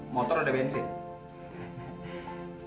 motor udah bensin